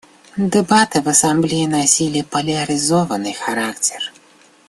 Дебаты в Ассамблее носили поляризованный характер.